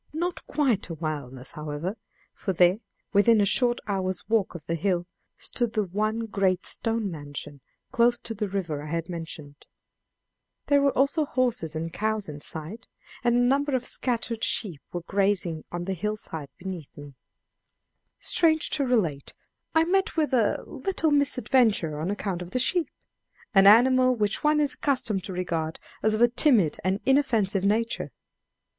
Not quite a wilderness, however, for there, within a short hour's walk of the hill, stood the one great stone mansion, close to the river I had mentioned. There were also horses and cows in sight, and a number of scattered sheep were grazing on the hillside beneath me. Strange to relate, I met with a little misadventure on account of the sheep an animal which one is accustomed to regard as of a timid and inoffensive nature.